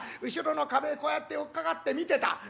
後ろの壁へこうやって寄っかかって見てた。